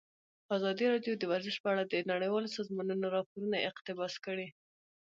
ازادي راډیو د ورزش په اړه د نړیوالو سازمانونو راپورونه اقتباس کړي.